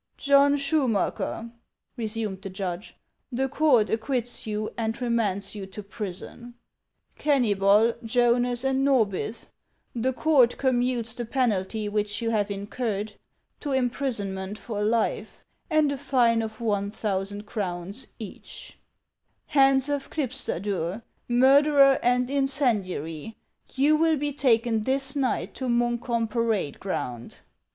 " John Schumacker," resumed the judge, " the court acquits you and remands you to prison ;" Kennybol, Jonas, and Norbith, the court commutes the penalty which you have incurred, to imprisonment for life, and a fine of one thousand crowns each ;" Hans of Klipstadur, murderer and incendiary, you will be taken this night to Munkholm parade ground, 450 HANS OF ICELAND.